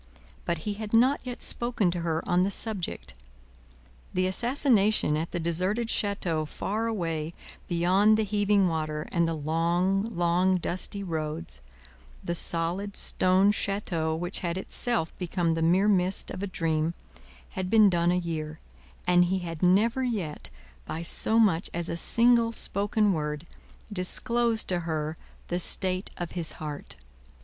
But, he had not yet spoken to her on the subject; the assassination at the deserted chateau far away beyond the heaving water and the long, long, dusty roads the solid stone chateau which had itself become the mere mist of a dream had been done a year, and he had never yet, by so much as a single spoken word, disclosed to her the state of his heart.